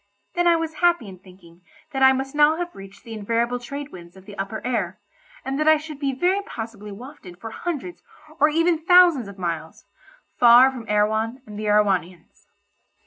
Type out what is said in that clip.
Then I was happy in thinking that I must now have reached the invariable trade wind of the upper air, and that I should be very possibly wafted for hundreds or even thousands of miles, far from Erewhon and the Erewhonians.